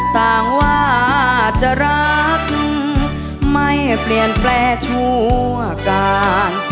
ต่างว่าจะรักไม่เปลี่ยนแปลงชั่วการ